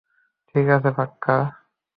ঠিক আছে, পার্কার!